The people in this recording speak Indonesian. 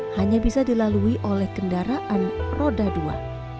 hanya bisa dilalui oleh kendaraan roda dua